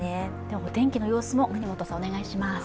お天気の様子もお願いします。